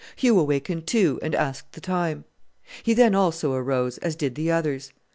Hugh awakened too, and asked the time. He, then, also arose, as did the others.